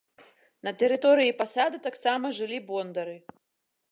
На тэрыторыі пасада таксама жылі бондары.